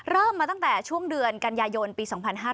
เริ่มมาตั้งแต่ช่วงเดือนกันยายนปี๒๕๕๙